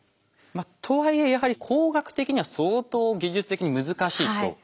とはいえやはり工学的には相当技術的に難しいと。